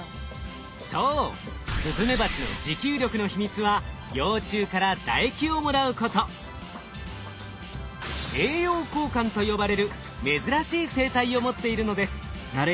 そうスズメバチの持久力の秘密は「栄養交換」と呼ばれる珍しい生態を持っているのです。